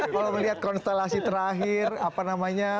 kalau melihat konstelasi terakhir apa namanya